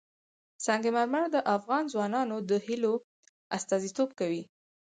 سنگ مرمر د افغان ځوانانو د هیلو استازیتوب کوي.